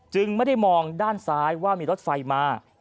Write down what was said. ไม่ได้มองด้านซ้ายว่ามีรถไฟมา